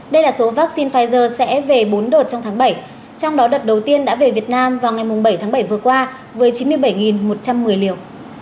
đây là số vaccine pfizer sẽ về bốn đợt trong tháng bảy trong đó đợt đầu tiên đã về việt nam vào ngày bảy tháng bảy vừa qua với chín mươi bảy một trăm một mươi liều